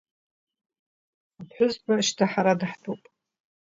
Аԥҳәызба шьҭа ҳара даҳтәуп…